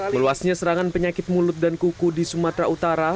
meluasnya serangan penyakit mulut dan kuku di sumatera utara